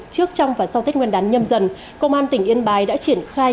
trước trong và sau tết nguyên đán nhâm dần công an tỉnh yên bái đã triển khai